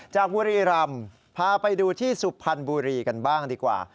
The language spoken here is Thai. บุรีรำพาไปดูที่สุพรรณบุรีกันบ้างดีกว่า